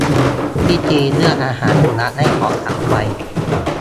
วิธีเลือกอาหารสุนัขให้เหมาะกับวัย